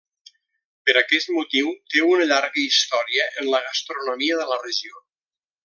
Per aquest motiu té una llarga història en la gastronomia de la regió.